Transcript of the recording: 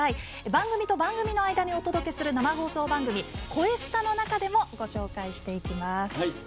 番組と番組の間にお届けする生放送番組「こえスタ」の中でもご紹介していきます。